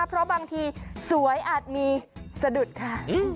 เพราะบางทีสวยอาจมีสะดุดค่ะ